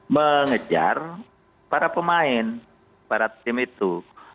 mengejar para pemain para tim itu